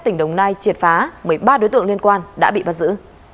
tỉnh đồng nai triệt phá một mươi ba đối tượng liên quan đã bị bắn dữ